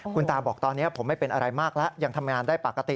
คุณตาบอกตอนนี้ผมไม่เป็นอะไรมากแล้วยังทำงานได้ปกติ